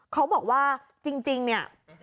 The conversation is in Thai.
เขาบอกว่าจริงเนี่ย